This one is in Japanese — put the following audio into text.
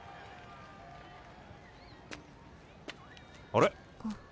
あれ？